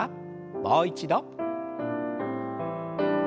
もう一度。